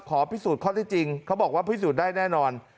ขอพิสูจน์ข้อที่จริงเขาบอกว่าพิสูจน์ได้แน่นอน